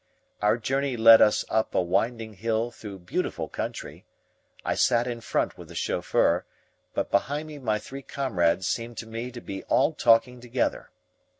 Our journey led us up a winding hill through beautiful country. I sat in front with the chauffeur, but behind me my three comrades seemed to me to be all talking together.